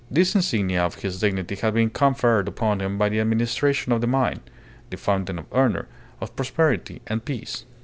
These insignia of his dignity had been conferred upon him by the Administration of the mine, the fountain of honour, of prosperity, and peace.